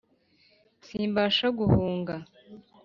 simbasha guhunga